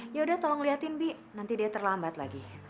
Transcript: ya udah tolong lihatin bi nanti dia terlambat lagi